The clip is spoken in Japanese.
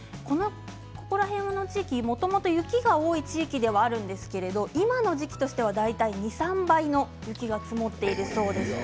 ここら辺の地域もともと雪が多い地域ではあるんですけれども今の時期としては大体２、３倍の雪が積もっているそうです。。